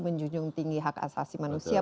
menjunjung tinggi hak asasi manusia